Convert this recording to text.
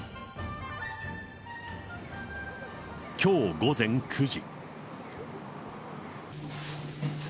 きょう午前９時。